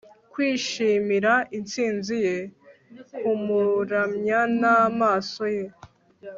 kwishimira intsinzi ye, kumuramya n'amaso ye